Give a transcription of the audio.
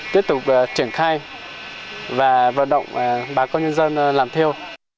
tiếp tục triển khai và vận động bà con nhân dân làm theo